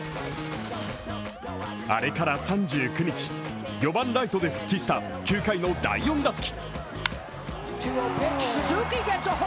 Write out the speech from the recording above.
あれから３９日、４番・ライトで復帰した９回の第４打席。